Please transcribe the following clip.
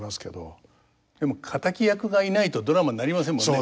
でも敵役がいないとドラマになりませんもんね。